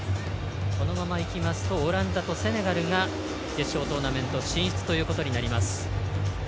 このままいきますとオランダとセネガルが決勝トーナメント進出ということになります。